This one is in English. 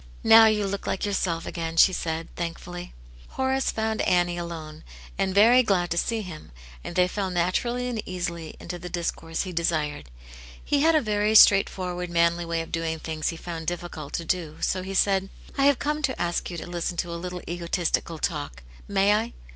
"Now you look like yourself again," she said, thankfully. Horace found Annie alone, and very glad to sec him, and they fell naturally and easily into tUe. d\s. coinsQ he desired. HeViad a v^x^ ^Xx^v^^Jv^v^ ^^^^ 198 Aunt Janets Hero. manly way of doing things he found it difficult to do, so he said, —" I have come to ask you to listen to a little ego tistical talk : may I